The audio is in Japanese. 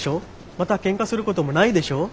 またケンカすることもないでしょ？